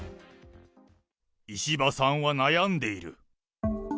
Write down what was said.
石破さんは悩んでいる。